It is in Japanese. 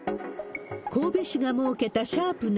神戸市が設けた＃